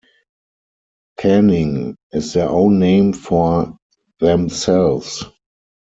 "Caning" is their own name for themselves.